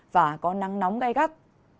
và có nắng nóng gây gắt